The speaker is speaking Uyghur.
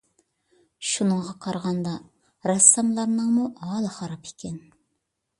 شۇنىڭغا قارىغاندا، رەسساملارنىڭمۇ ھالى خاراب ئىكەن.